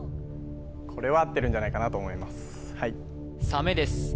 これはあってるんじゃないかなと思いますはいさめです